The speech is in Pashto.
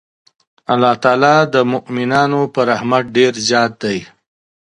الله تعالی د مؤمنانو په رحمت ډېر زیات دی.